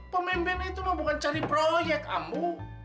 pemimpin itu mah bukan cari proyek amu